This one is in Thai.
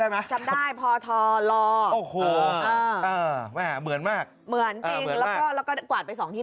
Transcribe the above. ได้ไหมจำได้พอทรลอโอ้โหเหมือนมากเหมือนแล้วกว่าไป๒ที่